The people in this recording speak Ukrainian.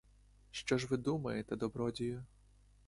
Що ж ви думаєте, добродію!